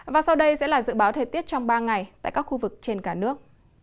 và sau đây sẽ là dự báo thời tiết trong ba ngày tại các khu vực trên cả nước